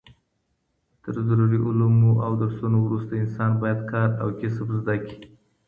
تر ضروري علومو او درسونو وروسته انسان بايد کار او کسب زده کړي